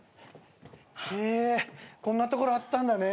へぇこんな所あったんだね。